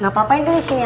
gapapain deh disini aja